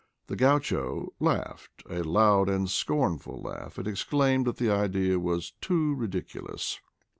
The gaucho laughed a loud and scornful laugh, and exclaimed that the idea was too ridiculous.